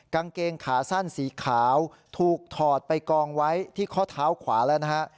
กางเกงขาสั้นสีขาวถูกถอดไปกองไว้ที่ข้อเท้าขวาแล้วนะฮะ